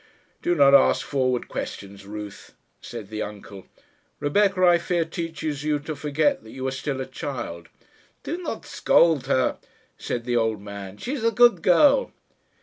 "Do not ask forward questions, Ruth," said the uncle. "Rebecca, I fear, teaches you to forget that you are still a child." "Do not scold her," said the old man. "She is a good girl."